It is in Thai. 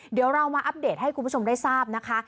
เดี๋ยวเรามาอัปเดตให้คุณผู้ชมได้ทราบนะคะ